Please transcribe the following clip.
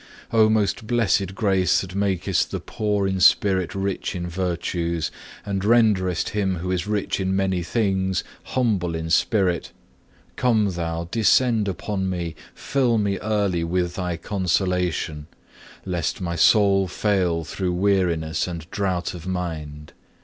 5. O most blessed grace that makest the poor in spirit rich in virtues, and renderest him who is rich in many things humble in spirit, come Thou, descend upon me, fill me early with Thy consolation, lest my soul fail through weariness and drought of mind.